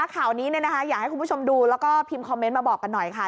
ข่าวนี้อยากให้คุณผู้ชมดูแล้วก็พิมพ์คอมเมนต์มาบอกกันหน่อยค่ะ